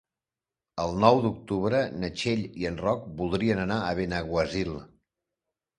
El nou d'octubre na Txell i en Roc voldrien anar a Benaguasil.